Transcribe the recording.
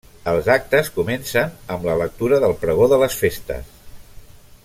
Els actes comencen amb la lectura del pregó de les festes.